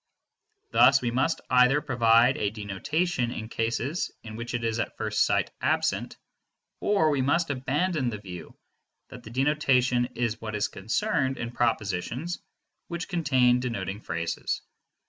Thus we must either provide a denotation in cases in which it is at first sight absent, or we must abandon the view that denotation is what is concerned in propositions which contain denoting phrases.